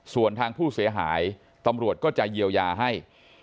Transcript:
ส่วนทางผู้เสียหายตำรวจก็จะเยียวยาให้